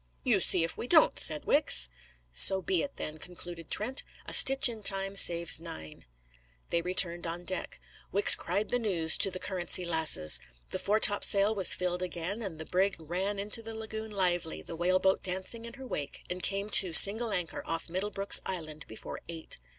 "You see if we don't!" said Wicks. "So be it, then," concluded Trent. "A stitch in time saves nine." They returned on deck; Wicks cried the news to the Currency Lasses; the foretopsail was filled again, and the brig ran into the lagoon lively, the whaleboat dancing in her wake, and came to single anchor off Middle Brooks Island before eight.